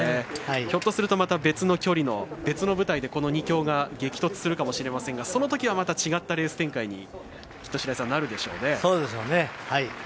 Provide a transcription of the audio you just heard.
ひょっとすると別の距離の別の舞台で２強が激突するかもしれませんがそのときは違ったそうでしょうね。